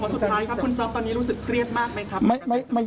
สุดท้ายครับคุณจ๊อปตอนนี้รู้สึกเครียดมากไหมครับ